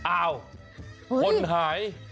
อ้าวคนหาย